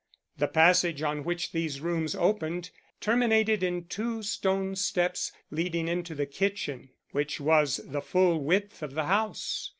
The passage on which these rooms opened terminated in two stone steps leading into the kitchen, which was the full width of the house.